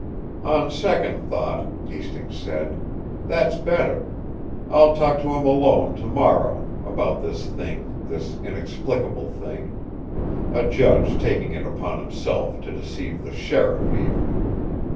"On second thought," Hastings said, "that's better. I'll talk to him alone tomorrow about this thing, this inexplicable thing: a judge taking it upon himself to deceive the sheriff even!